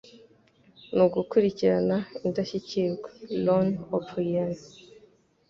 Ni ugukurikirana indashyikirwa. ”- Ron O'Brien